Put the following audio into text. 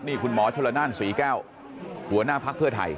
นี่คุณหมอชนละนานศรีแก้วหัวหน้าภักดิ์เพื่อไทย